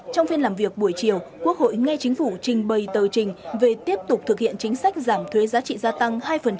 trong phiên làm việc buổi chiều quốc hội nghe chính phủ trình bày tờ trình về tiếp tục thực hiện chính sách giảm thuế giá trị gia tăng hai